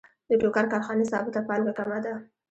د ټوکر کارخانې ثابته پانګه کمه ده